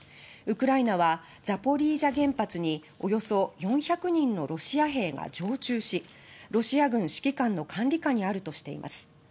ウクライナはザポリージャ原発におよそ４００人のロシア兵が常駐しロシア軍指揮官の管理下にあるとしています。